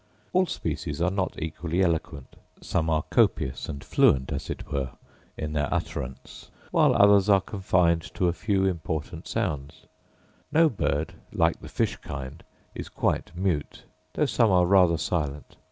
All species are not equally eloquent; some are copious and fluent as it were in their utterance, while others are confined to a few important sounds: no bird, like the fish kind, is quite mute, though some are rather silent.